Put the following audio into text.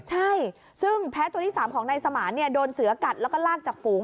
ใช่ซึ่งแพ้ตัวที่๓ของนายสมานโดนเสือกัดแล้วก็ลากจากฝูง